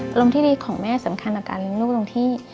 อารมณ์ที่ดีของแม่สำคัญต่อการเลี้ยงลูกตรงที่